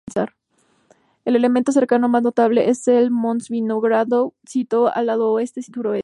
El elemento cercano más notable es el Mons Vinogradov sito a su lado oeste-suroeste.